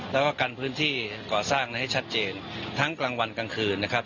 แล้วก็กันพื้นที่ก่อสร้างให้ชัดเจนทั้งกลางวันกลางคืนนะครับ